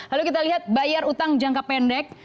lalu kita lihat bayar utang jangka pendek